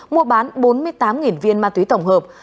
mua bán bốn mươi tám viên ma túy tổng hợp